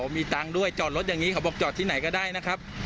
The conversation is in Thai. มีตังค์ด้วยจอดรถอย่างนี้เขาบอกจอดที่ไหนก็ได้นะครับ